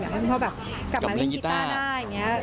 อยากให้คุณพ่อกลับมาเล่นกิต้าได้